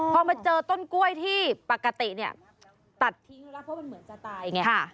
พอมาเจอต้นกล้วยที่ปกติเนี่ยตัดทิ้งแล้วเพราะมันเหมือนจะตายไง